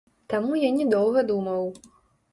Таму я не доўга думаў.